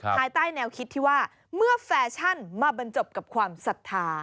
ภายใต้แนวคิดที่ว่าเมื่อแฟชั่นมาบรรจบกับความศรัทธา